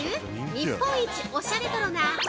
日本一オシャレトロな？？？